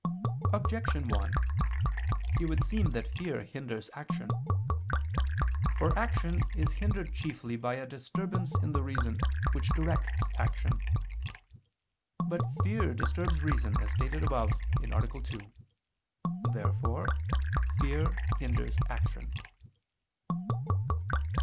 Objection 1: It would seem that fear hinders action. For action is hindered chiefly by a disturbance in the reason, which directs action. But fear disturbs reason, as stated above (A. 2). Therefore fear hinders action.